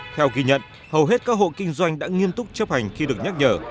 theo ghi nhận hầu hết các hộ kinh doanh đã nghiêm túc chấp hành khi được nhắc nhở